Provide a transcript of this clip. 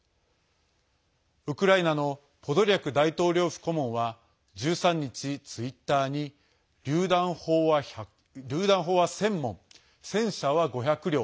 ウクライナのポドリャク大統領府顧問は１３日、ツイッターにりゅう弾砲は１０００門戦車は５００両